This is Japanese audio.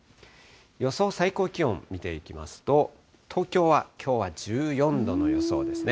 予想最高気温見ていきますと、東京はきょうは１４度の予想ですね。